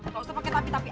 tau tau pakai tapi tapi